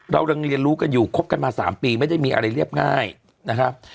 เรายังเรียนรู้กันอยู่คบกันมา๓ปีไม่ได้มีอะไรเรียบง่ายนะครับ